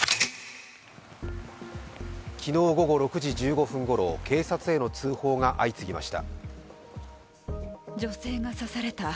昨日午後６時１５分ごろ警察への通報が相次ぎました。